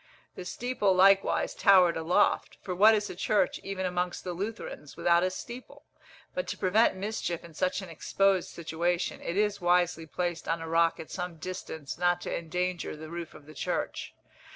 The steeple likewise towered aloft, for what is a church, even amongst the Lutherans, without a steeple? But to prevent mischief in such an exposed situation, it is wisely placed on a rock at some distance not to endanger the roof of the church.